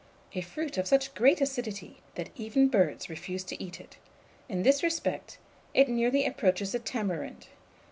A fruit of such great acidity, that even birds refuse to eat it. In this respect, it nearly approaches the tamarind.